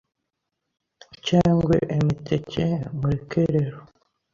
cyengwe emeteke; mureke rero